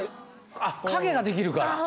あっ影ができるから。